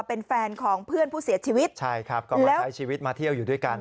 เป็นแฟนของเพื่อนผู้เสียชีวิตใช่ครับก็มาใช้ชีวิตมาเที่ยวอยู่ด้วยกัน